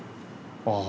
ああ。